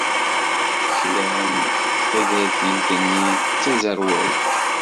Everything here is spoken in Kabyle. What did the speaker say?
Klan tagertilt-nni d taẓerwalt.